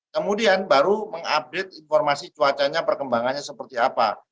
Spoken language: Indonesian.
kemudian baru mengupdate informasi cuacanya perkembangannya seperti apa